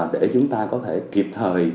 để chúng ta có thể kịp thời